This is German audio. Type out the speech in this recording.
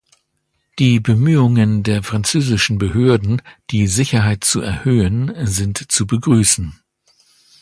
Die Bemühungen der französischen Behörden, die Sicherheit zu erhöhen, sind zu begrüßen.